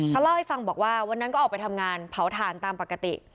เขาเล่าให้ฟังบอกว่าวันนั้นก็ออกไปทำงานเผาถ่านตามปกติ